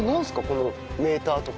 このメーターとか。